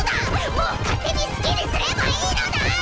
もう勝手に好きにすればいいのだ！